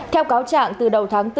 theo cáo trạng từ đầu tháng bốn